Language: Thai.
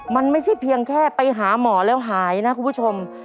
มันไม่ใช่เพียงแค่ไปหาหมอแล้วหายนะคุณผู้ชม